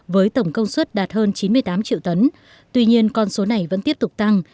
với tổng công suất đạt hơn chín mươi tám triệu tấn tuy nhiên con số này vẫn tiếp tục tăng